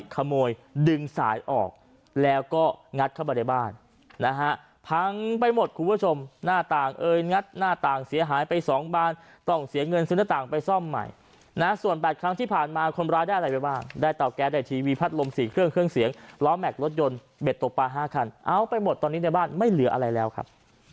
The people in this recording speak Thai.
ขโมยดึงสายออกแล้วก็งัดเข้ามาในบ้านนะฮะพังไปหมดคุณผู้ชมหน้าต่างเอ่ยงัดหน้าต่างเสียหายไป๒บานต้องเสียเงินซื้อหน้าต่างไปซ่อมใหม่นะส่วน๘ครั้งที่ผ่านมาคนร้ายได้อะไรไปบ้างได้เตาแก๊สได้ทีวีพัดลม๔เครื่องเครื่องเสียงล้อแม็กซรถยนต์เบ็ดตกปลา๕คันเอาไปหมดตอนนี้ในบ้านไม่เหลืออะไรแล้วครับ